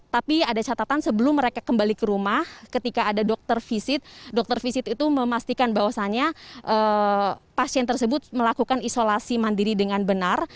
tapi ada catatan sebelum mereka kembali ke rumah ketika ada dokter visit dokter visit itu memastikan bahwasannya pasien tersebut melakukan isolasi mandiri dengan benar